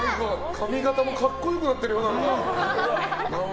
髪形も格好良くなっているよ。